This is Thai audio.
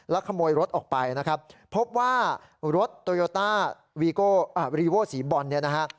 แล้วขโมยรถออกไปนะครับพบว่ารถโตโยตาวีโก่อ่ะรีโวสีบรอนเนี้ยนะฮะ